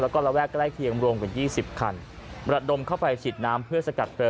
แล้วก็ระแว่คลียมวงเป็น๒๐คันบรรดมเข้าไปฉีดน้ำเพื่อสกัดเบลอ